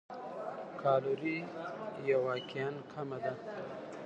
کالوري یې واقعاً کمه ده.